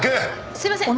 すいません